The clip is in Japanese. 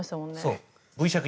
そう。